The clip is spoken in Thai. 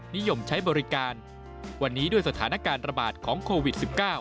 นิยมใช้บริการวันนี้ด้วยสถานการณ์ระบาดของโควิด๑๙